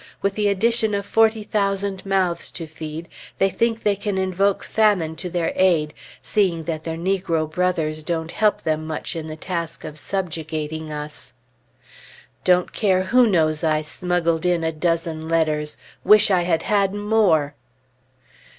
With the addition of forty thousand mouths to feed, they think they can invoke famine to their aid, seeing that their negro brothers don't help them much in the task of subjugating us. Don't care who knows I smuggled in a dozen letters! Wish I had had more!